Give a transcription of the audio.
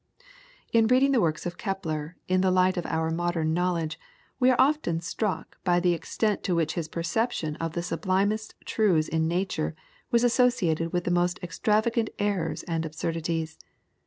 In reading the works of Kepler in the light of our modern knowledge we are often struck by the extent to which his perception of the sublimest truths in nature was associated with the most extravagant errors and absurdities.